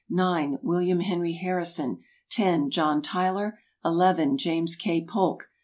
(9) William Henry Harrison. (10) John Tyler. (11) James K. Polk.